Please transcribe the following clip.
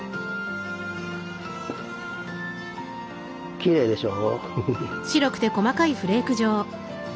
きれいでしょ？